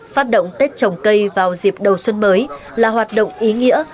phát động tết trồng cây vào dịp đầu xuân mới là hoạt động ý nghĩa